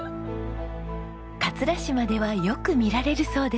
桂島ではよく見られるそうです。